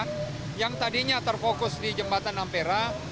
karena yang tadinya terfokus di jembatan ampera